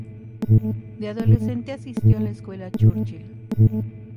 De adolescente asistió a la escuela de Churchill.